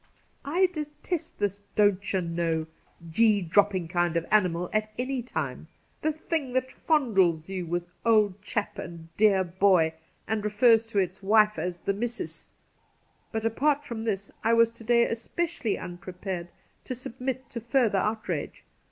I detest this ' dontcherknow,' * g ' dropping 10—2 T48 Cassidy kind of animal at any time — the thing that , fondles you with ' old chap ' and ' dear boy ' and refers to its wife as ' the missis.' But apart from this, I was to day especially unprepared to submit to further outrage.